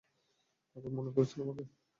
পাগল মনে করেছেন আমাকে?